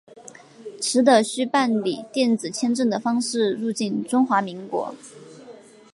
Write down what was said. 持的需办理电子签证的方式入境中华民国。